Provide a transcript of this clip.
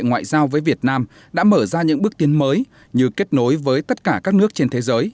ngoại giao với việt nam đã mở ra những bước tiến mới như kết nối với tất cả các nước trên thế giới